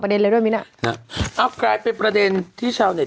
ประเด็นเลยด้วยมิน่ะอ่ะเอาไกลเป็นประเด็นที่ชาวเน็ต